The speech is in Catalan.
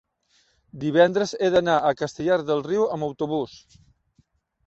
divendres he d'anar a Castellar del Riu amb autobús.